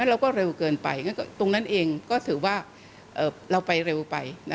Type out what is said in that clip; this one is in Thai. เราก็เร็วเกินไปตรงนั้นเองก็ถือว่าเราไปเร็วไป